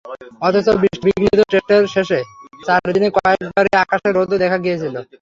অথচ বৃষ্টিবিঘ্নিত টেস্টের শেষ চার দিনে কয়েকবারই আকাশে রোদও দেখা গিয়েছিল।